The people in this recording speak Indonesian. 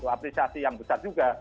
apresiasi yang besar juga